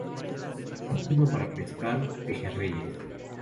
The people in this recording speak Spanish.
Óptimo para pescar pejerreyes.